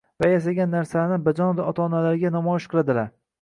va yasagan narsalarini bajonidil ota-onalariga namoyish qiladilar